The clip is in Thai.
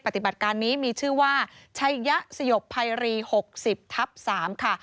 ปฏิบัติการนี้มีชื่อว่าชัยยะสยบภัยรี๖๐ทับ๓ค่ะ